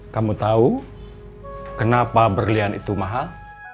kamu tahu kenapa berlian itu mahal